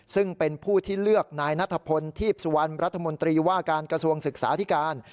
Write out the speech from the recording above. ซึ่งเป็นผู้ที่เลือกนายนัทพลทีพสุวรรณรัฐมนตรีว่าการกระทรวงศึกษาธิการ